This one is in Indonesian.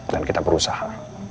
dan kita berusaha